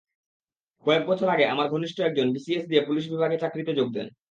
কয়েক বছর আগে আমার ঘনিষ্ঠ একজন বিসিএস দিয়ে পুলিশ বিভাগে চাকরিতে যোগ দেন।